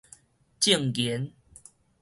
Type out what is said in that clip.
證言